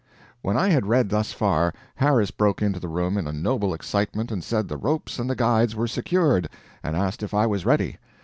When I had read thus far, Harris broke into the room in a noble excitement and said the ropes and the guides were secured, and asked if I was ready.